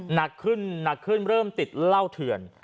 หนักขึ้นเริ่มติดเหล้าเถื่อน